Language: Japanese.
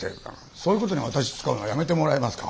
そういう事に私使うのやめてもらえますか？